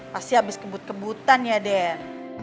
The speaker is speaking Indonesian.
pasti habis kebut kebutan ya den